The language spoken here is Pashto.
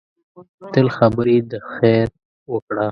تل خبرې د خیر وکړه